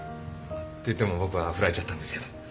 っていっても僕はふられちゃったんですけど。